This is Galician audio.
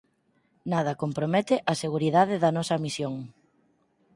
Nada compromete a seguridade da nosa misión.